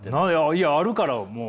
いやあるからもう！